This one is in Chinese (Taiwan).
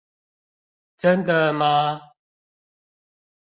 真的嗎